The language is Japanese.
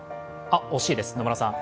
惜しいです、野村さん。